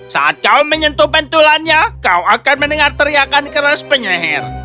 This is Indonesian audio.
saat kau menyentuh pentulannya kau akan mendengar teriakan keras penyihir